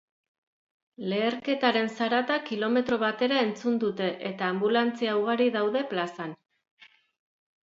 Leherketaren zarata kilometro batera entzun dute eta anbulantzia ugari daude plazan.